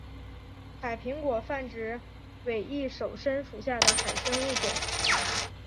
海苹果泛指伪翼手参属下的海参物种。